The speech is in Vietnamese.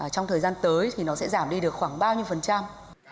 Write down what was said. trong thời gian tới thì nó sẽ giảm đi được khoảng bao nhiêu phần trăm